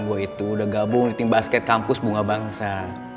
gue itu udah gabung di tim basket kampus bunga bangsa